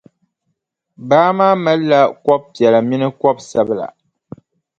Baa maa malila kɔbʼ piɛla mini kɔbʼ sabila.